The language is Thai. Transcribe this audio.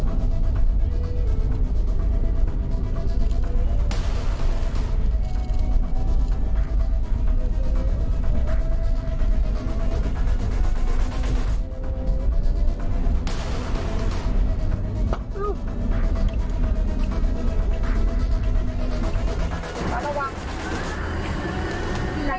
มอบไปกับพี่นอนเลยนอนลงไปเลย